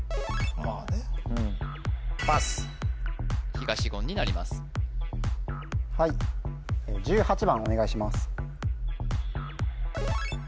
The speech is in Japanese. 東言になりますはい１８番お願いします